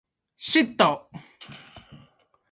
During bankruptcy the B and M reorganized.